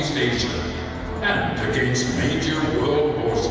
idx telah meluncurkan kampanye yang berumur negara